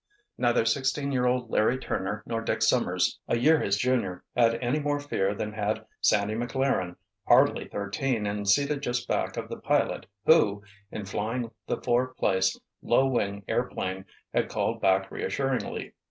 Neither sixteen year old Larry Turner nor Dick Summers, a year his junior, had any more fear than had Sandy Maclaren, hardly thirteen and seated just back of the pilot who, in flying the four place, low wing airplane, had called back reassuringly.